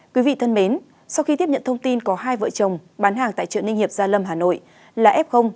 quý vị thân mến sau khi tiếp nhận thông tin có hai vợ chồng bán hàng tại chợ ninh hiệp gia lâm hà nội là f